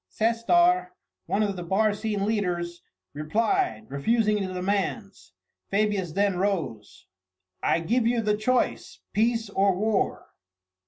Cestar, one of the Barcine leaders, replied, refusing the demands. Fabius then rose. "I give you the choice peace or war?"